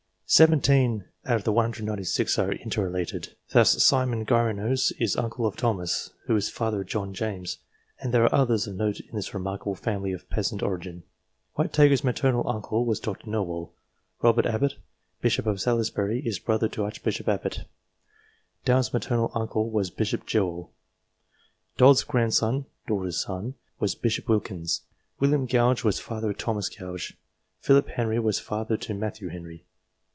17 out of the 196 are interrelated. Thus Simon Grynseus is uncle of Thomas, who is father of John Jarnes, and there are others of note in this remarkable family of peasant DIVINES 263 origin. Whitaker's maternal uncle was Dr. Nowell. Robert Abbot, Bishop of Salisbury, is brother to Archbishop Abbot. Downe's maternal uncle was Bishop Jewell. Dod's grandson (daughter's son) was Bishop Wilkins. William Gouge was father of Thomas Gouge. Philip Henry was father to Matthew Henry.